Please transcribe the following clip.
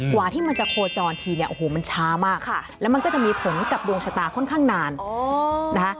กับดวงชะตาค่อนข้างนานนะคะ